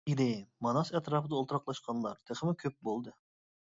ئىلى، ماناس ئەتراپىدا ئولتۇراقلاشقانلار تېخىمۇ كۆپ بولدى.